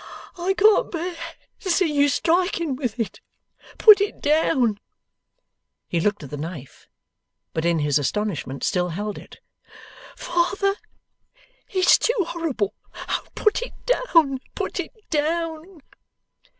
I can't bear to see you striking with it. Put it down!' He looked at the knife; but in his astonishment still held it. 'Father, it's too horrible. O put it down, put it down!